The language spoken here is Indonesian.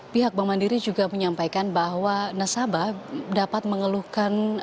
pihak bank mandiri juga menyampaikan bahwa nasabah dapat mengeluhkan